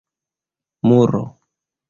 muro